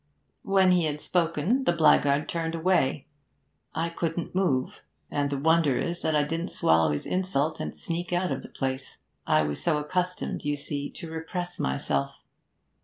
'When he had spoken, the blackguard turned away. I couldn't move, and the wonder is that I didn't swallow his insult, and sneak out of the place, I was so accustomed, you see, to repress myself.